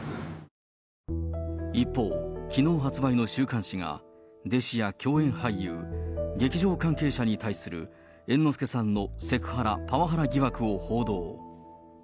一方、きのう発売の週刊誌が、弟子や共演俳優、劇場関係者に対する猿之助さんのセクハラ、パワハラ疑惑を報道。